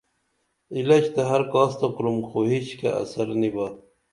عِلج تہ ہر کاس تہ کُرُم خو ہِچکیہ اثر نی با